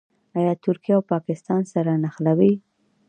آیا ترکیه او پاکستان سره نه نښلوي؟